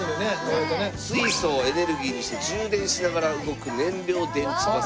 水素をエネルギーにして充電しながら動く燃料電池バス。